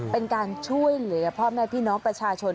เป็นการช่วยเหลือพ่อแม่พี่น้องประชาชน